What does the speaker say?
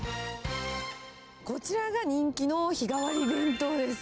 こちらが人気の日替わり弁当です。